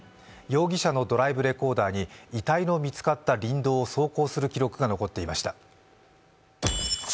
容疑者のドライブレコーダーに遺体の見つかった林道を走行する記録が残っていました。